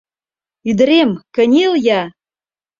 — Ӱдырем, кынел-я!